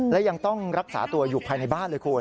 และยังต้องรักษาตัวอยู่ภายในบ้านเลยคุณ